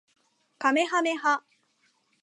かめはめ波